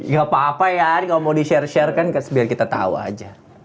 gapapa ya ini ga mau di share sharekan biar kita tau aja